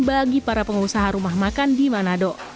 bagi para pengusaha rumah makan di manado